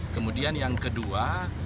kemudian yang kedua